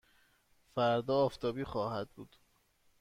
فردا آفتابی خواهد بود.